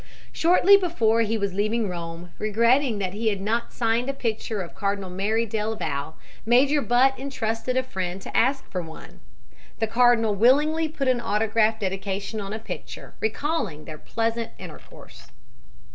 Shortly before he was leaving Rome, regretting that he had not a signed picture of Cardinal Merry del Val, Major Butt entrusted a friend to ask for one. The cardinal willingly put an autograph dedication on a picture, recalling their pleasant intercourse.